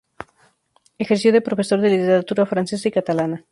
Ejerció de profesor de literatura francesa y catalana.